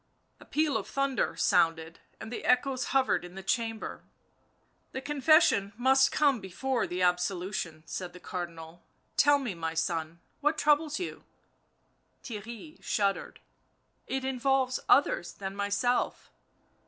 A peal of thunder sounded, and the echoes hovered in the chamber. " The confession must come before the absolution," said the Cardinal. " Tell me, my son, what troubles you." Theirry shuddered. " It involves others than myself.